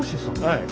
はい。